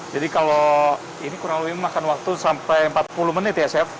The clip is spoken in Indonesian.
jadi kalau ini kurang lebih makan waktu sampai empat puluh menit ya chef